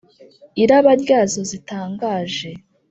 iraba ryazo zitangaje